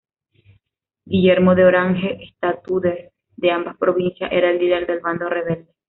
Guillermo de Orange, estatúder de ambas provincias era el líder del bando rebelde.